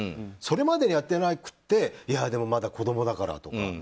それまでやっていなくていや、でもまだ子供だからとか。